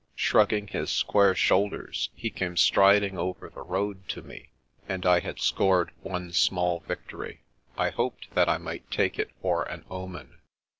Shrugging his square shoulders, he came striding over the road to me; and I had scored one small victory. I hoped that I might take it for an omen.